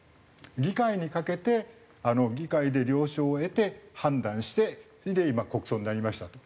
議会にかけて議会で了承を得て判断してそれで今国葬になりましたと。